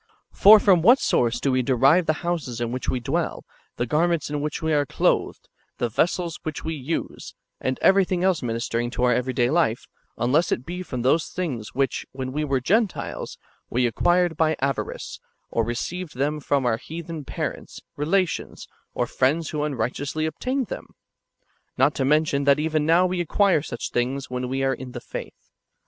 For from what source do we derive the houses in which we dwell, the garments in wdiich we are clothed, the vessels which w^e use, and everything else ministering to our every day life, unless it be from those things which, when we were Gentiles, we acquired by avarice, or received them from our heathen parents, relations, or friends wdio unrighteously obtained them ?— not to men tion that even now w^e acquire such things when we are in the faith.